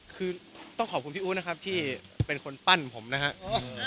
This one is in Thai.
คือต้องขอบคุณพี่อู๊ดนะครับที่เป็นคนปั้นผมนะครับ